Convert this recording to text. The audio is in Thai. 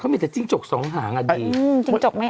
เขามีแต่จิ้งจกสองหางอ่ะดี